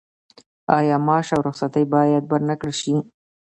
آیا معاش او رخصتي باید ورنکړل شي؟